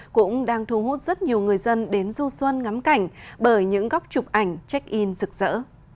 cũng đang thu hút rất nhiều người dân đến du xuân ngắm cảnh bởi những góc chụp ảnh check in rực rỡ